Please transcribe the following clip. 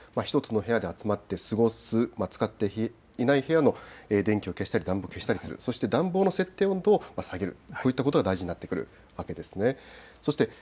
１つの部屋に集まって過ごす、また使っていない部屋の電気を消したり暖房を消したりする、そして暖房の設定温度を下げる、こういったことが大事になってくるわけですね。